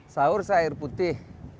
saur saya air putih